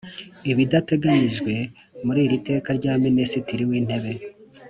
Ibidateganyijwe muri iri teka rya Minisitiri w Intebe